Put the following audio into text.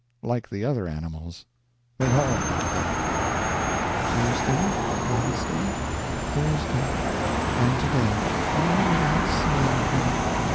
Like the other animals. They all do that. FRIDAY. Tuesday Wednesday Thursday and today: all without seeing him.